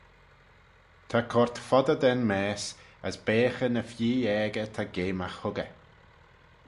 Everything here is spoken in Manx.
Ta coyrt foddyr da'n maase: as beaghey ny fee aegey ta geamagh huggey.